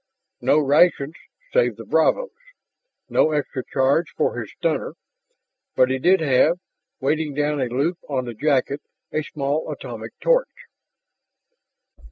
No rations save the bravos no extra charge for his stunner. But he did have, weighing down a loop on the jacket, a small atomic torch.